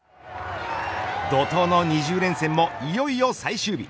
怒涛の２０連戦もいよいよ最終日。